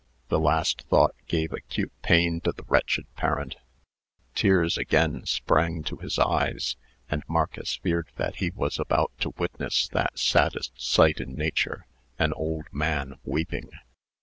The last thought gave acute pain to the wretched parent. Tears again sprang to his eyes, and Marcus feared that he was about to witness that saddest sight in nature an old man weeping.